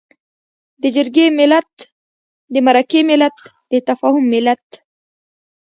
د جرګې ملت، د مرکې ملت، د تفاهم ملت.